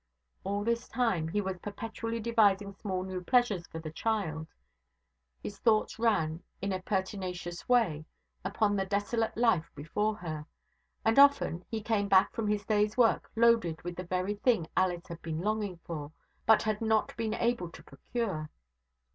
All this time he was perpetually devising small new pleasures for the child. His thoughts ran, in a pertinacious way, upon the desolate life before her; and often he came back from his day's work loaded with the very thing Alice had been longing for, but had not been able to procure.